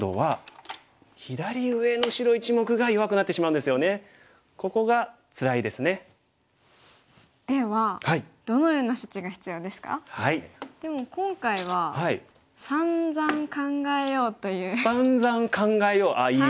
でも今回は「さんざん考えよう！」ああいいですね。